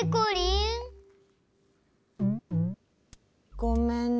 ごめんね。